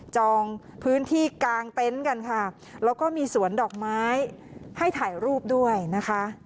จองพื้นที่กลางเต็นต์กันค่ะแล้วก็มีสวนดอกไม้ให้ถ่ายรูปด้วยนะคะ